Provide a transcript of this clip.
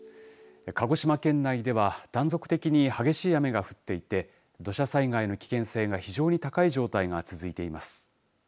鹿児島県内では断続的に激しい雨が降っていて土砂災害の危険性が非常に高い状態が続いています。